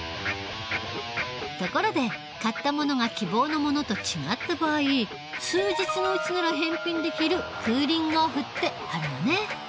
ところで買ったものが希望のものと違った場合数日のうちなら返品できる「クーリングオフ」ってあるよね。